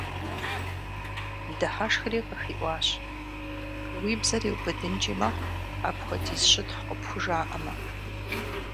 Дыхьэшхри, къыхиӀуащ: – Уи бзэр иубыдынкӀи мэхъу, апхуэдиз щытхъу къыпхужаӀэмэ.